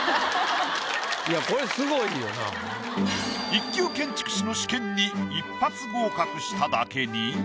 一級建築士の試験に一発合格しただけに。